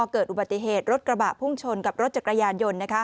เกิดอุบัติเหตุรถกระบะพุ่งชนกับรถจักรยานยนต์